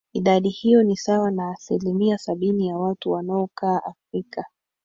idadi hiyo ni sawa na asilimia sabini ya watu wanaokaa afrika